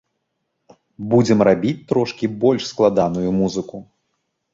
Будзем рабіць трошкі больш складаную музыку.